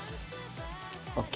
ＯＫ。